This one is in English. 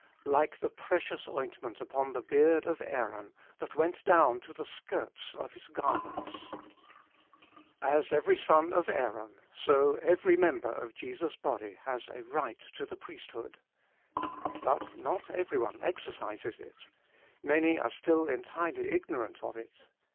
" Like the precious ointment upon the beard of Aaron, that went down to the skirts of his gar ments." As every son of Aaron, so every member of Jesus' body has a right to the priesthood. But not every one exercises it ; many are still entirely igno rant of it.